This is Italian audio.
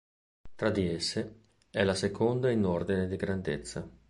Tra di esse, è la seconda in ordine di grandezza.